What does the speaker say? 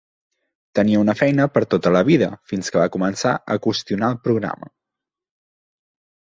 Tenia una feina per a tota la vida fins que va començar a qüestionar el programa